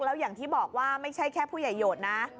แล้วอย่างที่บอกว่าไม่ใช่แค่ผู้ใหญ่โหดนะ